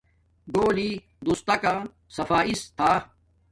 گھولی دوس تکا صفایس تھا